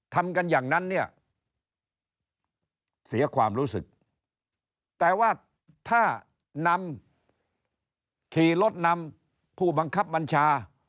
ทำกันอย่างนั้นเนี่ยเสียความรู้สึกแต่ว่าถ้านำขี่รถนำผู้บังคับบัญชา